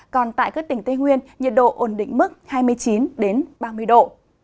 còn tại các tỉnh tây nguyên nhiệt độ ổn định mức hai mươi chín ba mươi độ